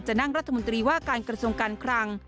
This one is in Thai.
นั่งรัฐมนตรีว่าการกระทรวงการคลัง